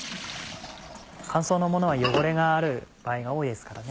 乾燥のものは汚れがある場合が多いですからね。